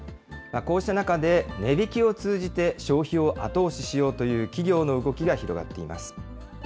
こうした中で、値引きを通じて、消費を後押ししようという企業の動きが広がっています。